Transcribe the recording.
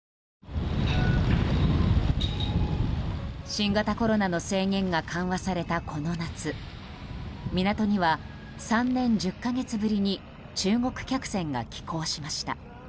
新型コロナの制限が緩和されたこの夏港には３年１０か月ぶりに中国客船が寄港しました。